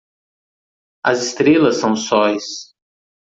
As estrelas são sóis.